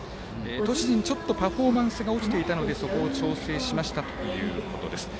投手陣ちょっとパフォーマンスが落ちていたのでそこを調整しましたということです。